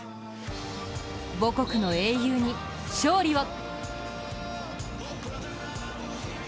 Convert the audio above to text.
母国の英雄に勝利を！